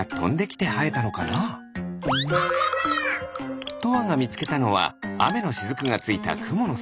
てんてんもよう！とあがみつけたのはあめのしずくがついたくものす。